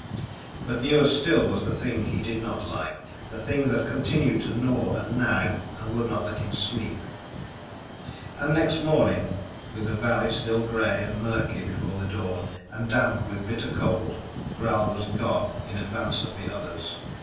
But newer still was the thing he did not like, the thing that continued to gnaw and nag and would not let him sleep. And next morning, with the valley still gray and murky before the dawn and damp with bitter cold, Gral was gone in advance of the others.